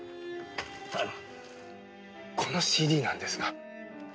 このＣＤなんですが。